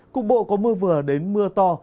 cục bộ có mưa vừa đến mưa to